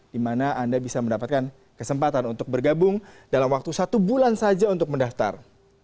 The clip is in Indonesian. di mana anda bisa mendapatkan kesempatan untuk bergabung dalam waktu satu bulan saja untuk mendaftar